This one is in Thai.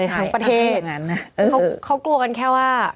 ทั้งประเทศเขากลัวกันแค่ว่า